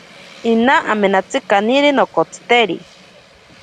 Ina amanantsi kaniri nokotsiteri.